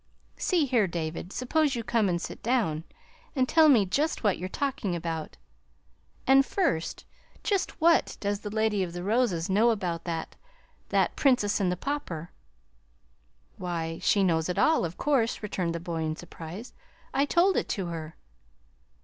"See here, David, suppose you come and sit down, and tell me just what you're talking about. And first just what does the Lady of the Roses know about that that 'Princess and the Pauper'?" "Why, she knows it all, of course," returned the boy in surprise. "I told it to her."